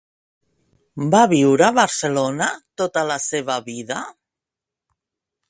Va viure a Barcelona tota la seva vida?